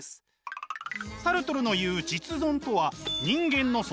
サルトルの言う「実存」とは人間の存在